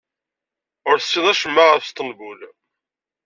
Ur tessineḍ acemma ɣef Sṭembul.